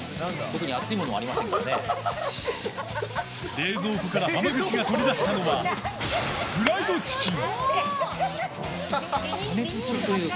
冷蔵庫から浜口が取り出したのは、フライドチキン。